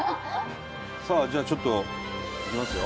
さあじゃあちょっといきますよ。